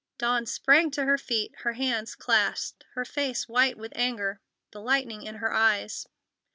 Dawn sprang to her feet, her hands clasped, her face white with anger, the lightning in her eyes.